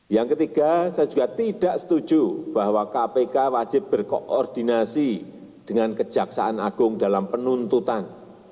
yang ketiga saya juga tidak setuju bahwa kpk wajib berkoordinasi dengan kejaksaan agung dalam penuntutan